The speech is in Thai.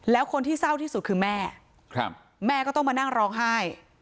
แล้วคนที่เศร้าที่สุดคือแม่แม่ก็ต้องมานั่งร้องไห้